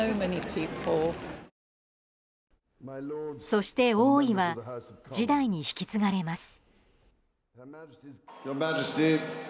そして王位は次代に引き継がれます。